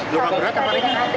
luka berat apa ini